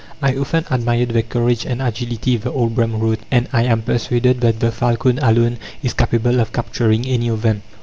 "I often admired their courage and agility," the old Brehm wrote, "and I am persuaded that the falcon alone is capable of capturing any of them....